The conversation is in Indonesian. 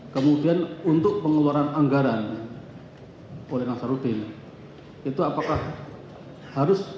kemudian untuk pengeluaran anggaran oleh nasaruddin itu apakah harus